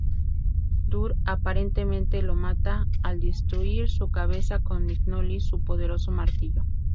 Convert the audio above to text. Thor aparentemente lo mata al destruir su cabeza con Mjolnir, su poderoso martillo.